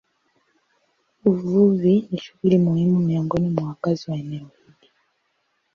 Uvuvi ni shughuli muhimu miongoni mwa wakazi wa eneo hili.